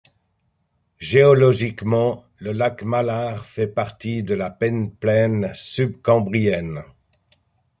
Géologiquement, le lac Mälar fait partie de la pénéplaine subcambrienne.